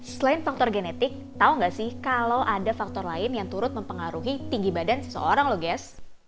selain faktor genetik tau gak sih kalau ada faktor lain yang turut mempengaruhi tinggi badan seseorang lho guys